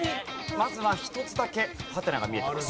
まずは１つだけハテナが見えています。